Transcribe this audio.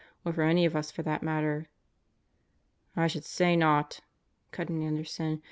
or for any of us for that matter." "I should say not," cut in Anderson.